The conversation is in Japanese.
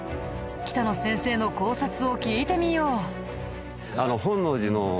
北野先生の考察を聞いてみよう。